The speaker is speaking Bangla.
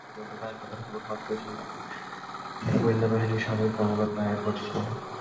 মুঠোফোনে গোয়েন্দাদের আড়ি পাতার খবর ফাঁস করেছিলেন মার্কিন গোয়েন্দাবাহিনীর সাবেক কর্মকর্তা অ্যাডওয়ার্ড স্নোডেন।